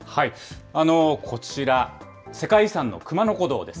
こちら、世界遺産の熊野古道です。